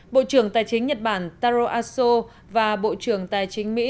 bộ trưởng tài chính nhật bản taro aso và bộ trưởng tài chính mỹ